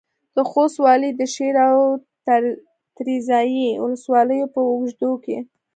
د خوست والي د شېر او تریزایي ولسوالیو په اوږدو کې